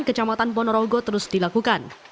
kecamatan ponorogo terus dilakukan